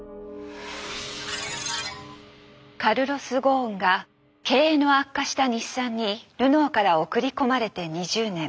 カルロス・ゴーンが経営の悪化した日産にルノーから送り込まれて２０年。